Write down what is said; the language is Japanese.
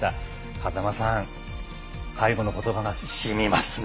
風間さん、最後のことばがしみますね。